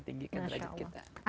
yang masuk dari pemulis agape kemuliaan